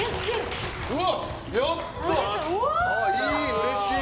うれしい。